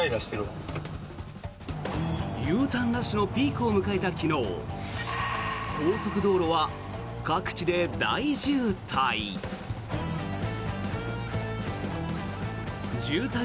Ｕターンラッシュのピークを迎えた昨日高速道路は各地で大渋滞。